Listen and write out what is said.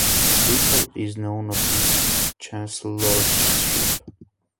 Little is known of his chancellorship.